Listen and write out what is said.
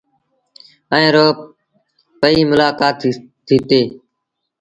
ائيٚݩ رو پئيٚ ملآڪآت ٿيٚتيٚ۔